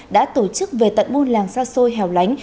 đã tổ chức về tận buôn làng xa xôi hẻo lánh